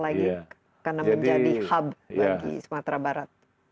karena menjadi hub bagi sumatera barat